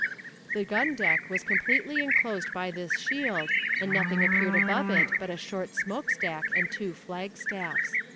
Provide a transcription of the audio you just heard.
The gun deck was completely inclosed by this shield, and nothing appeared above it but a short smoke stack and two flag staffs."